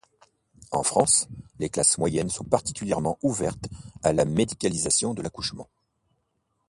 En France, les classes moyennes sont particulièrement ouvertes à la médicalisation de l’accouchement.